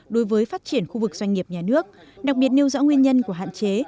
đối với phát triển khu vực doanh nghiệp nhà nước đặc biệt nêu rõ nguyên nhân của hạn chế